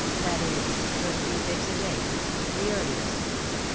— that is, couldn't you fix a date f — the earliest